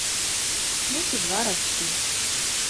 Ну ці два разкі.